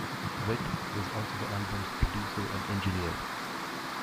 Wirt was also the album's producer and engineer.